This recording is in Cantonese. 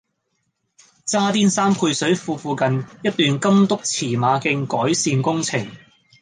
渣甸山配水庫附近一段金督馳馬徑改善工程